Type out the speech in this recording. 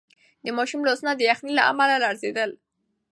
د ماشوم لاسونه د یخنۍ له امله لړزېدل.